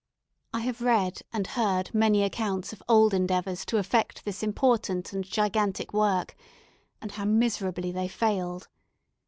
I have read and heard many accounts of old endeavours to effect this important and gigantic work, and how miserably they failed.